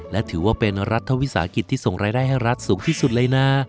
และถือว่าเป็นรัฐวิสาหกิจที่ส่งรายได้ให้รัฐสูงที่สุดเลยนะ